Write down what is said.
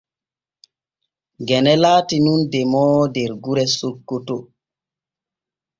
Gene laati nun demoowo der gure Sokkoto.